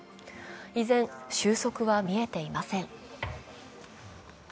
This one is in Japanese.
依然、収束は見えていません。